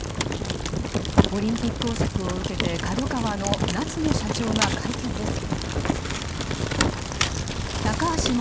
オリンピック汚職を受けてＫＡＤＯＫＡＷＡの夏の社長が会見です。